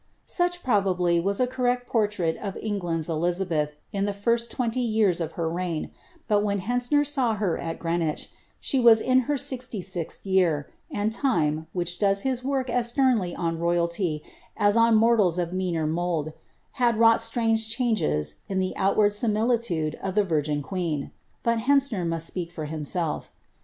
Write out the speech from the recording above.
Sach, probably, was a correct portrait of England^s Elizabeth, in the first twenty years of her reign ; but when Hentzner saw her at Qreen wich, she was in her sixty sixth year, and Time, which does his work as sternly on royalty as on mortals of meaner mould, had wrought strange changes in the outward similitude of the virgin queen. But Hentzner mUst speak for himself.